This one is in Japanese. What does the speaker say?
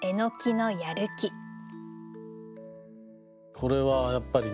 これはやっぱりね